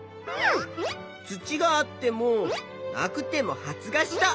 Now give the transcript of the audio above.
土があってもなくても発芽した。